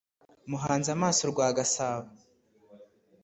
Muhanze amaso urwa Gasabo.”